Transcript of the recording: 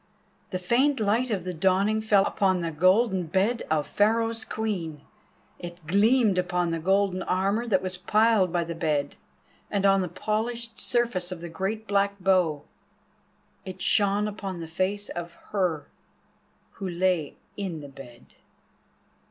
The faint light of the dawning fell upon the golden bed of Pharaoh's Queen, it gleamed upon the golden armour that was piled by the bed, and on the polished surface of the great black bow. It shone upon the face of her who lay in the bed.